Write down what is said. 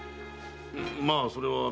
まあそれはあの。